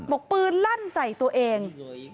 บอกปืนลั่นใส่ตัวเอง